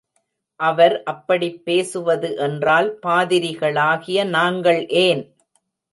அவர் அப்படிப் பேசுவது என்றால் பாதிரிகளாகிய நாங்கள் ஏன்?